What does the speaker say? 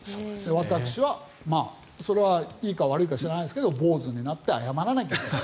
私はそれはいいか悪いか知らないですけど坊主になって謝らなきゃいけない。